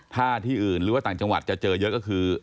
ถ้าที่อื่นหรือว่าต่างจังหวัดจะเจอเยอะก็คือ